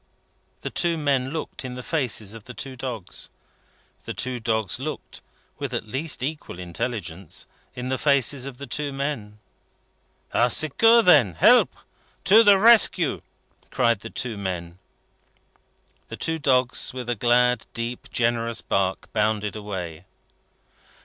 The two men looked in the faces of the two dogs. The two dogs looked, with at least equal intelligence, in the faces of the two men. "Au secours, then! Help! To the rescue!" cried the two men. The two dogs, with a glad, deep, generous bark, bounded away.